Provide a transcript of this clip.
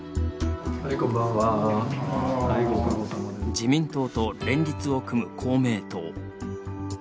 自民党と連立を組む公明党。